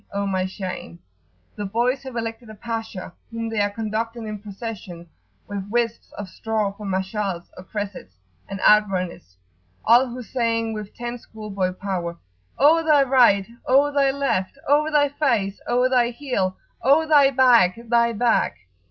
O my shame!" The boys have elected a Pasha, whom they are conducting in procession, with wisps of straw for Mash'als, or cressets, and outrunners, all huzzaing with ten schoolboy power. "O thy right! O thy left! O thy face! O thy heel! O thy back, thy back!"